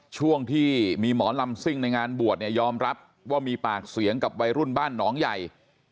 ช่วงที่มีหมอลำซิ่งในงานบวชเนี่ยยอมรับว่ามีปากเสียงกับวัยรุ่นบ้านหนองใหญ่